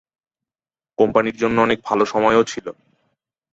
কোম্পানির জন্য অনেক ভালো সময়ও ছিল।